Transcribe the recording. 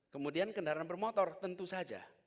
kemudian kendaraan bermotor tentu saja